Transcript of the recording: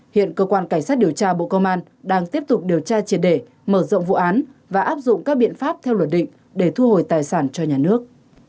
hiện cơ quan cảnh sát điều tra bộ công an đang tiếp tục điều tra triệt đề mở rộng vụ án và áp dụng các biện pháp theo luật định để thu hồi tài sản cho nhà nước